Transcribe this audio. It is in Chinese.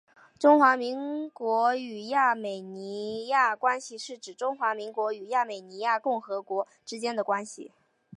中华民国与亚美尼亚关系是指中华民国与亚美尼亚共和国之间的关系。